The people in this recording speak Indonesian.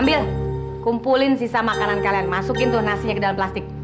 ambil kumpulin sisa makanan kalian masukin tuh nasinya ke dalam plastik